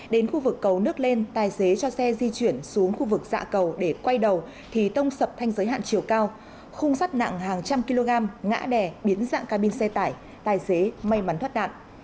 đến khu vực cầu nước lên tài xế cho xe di chuyển xuống khu vực dạ cầu để quay đầu thì tông sập thanh giới hạn chiều cao khung sắt nặng hàng trăm kg ngã đè biến dạng cabin xe tải tài xế may mắn thoát nạn